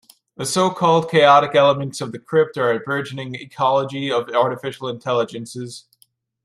The so-called chaotic elements of the crypt are a burgeoning ecology of Artificial Intelligences.